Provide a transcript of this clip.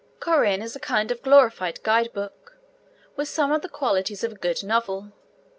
Corinne is a kind of glorified guide book, with some of the qualities of a good novel.